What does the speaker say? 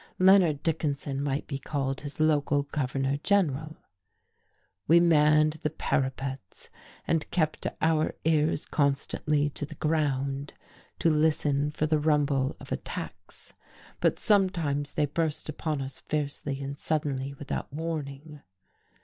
Leonard Dickinson might be called his local governor general. We manned the parapets and kept our ears constantly to the ground to listen for the rumble of attacks; but sometimes they burst upon us fiercely and suddenly, without warning.